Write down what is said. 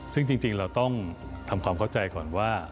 ซึ่งจริงเราต้องทำความเข้าใจก่อนว่า